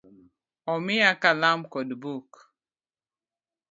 Omiya Kalam kod buk